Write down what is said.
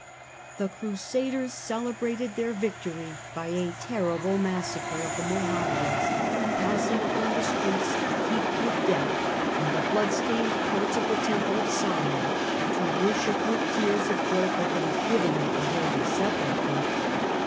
The Crusaders celebrated their victory by a terrible massacre of the Mohammedans, passing from the streets heaped with dead and the blood stained courts of the Temple of Solomon to worship with tears of joyful thanksgiving at the Holy Sepulchre.